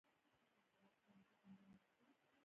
فیل ماشوم ساتي.